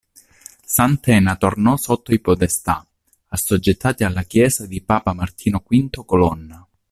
Santena tornò sotto i Podestà, assoggettati alla Chiesa di papa Martino V Colonna.